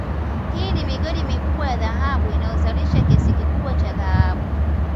Hii ni migodi mikubwa ya dhahabu inayozalisha kiasi kikubwa cha dhahabu